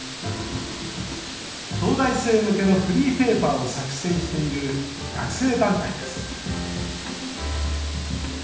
東大生向けのフリーペーパーを作成している学生団体です。